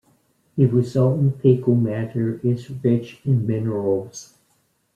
The resultant faecal matter is rich in minerals.